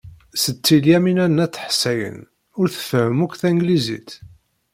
Setti Lyamina n At Ḥsayen ur tfehhem akk tanglizit.